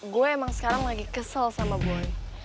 gue emang sekarang lagi kesel sama boy